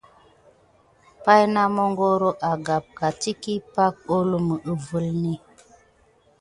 Pay na magoro agamka diki pay holumi kivela.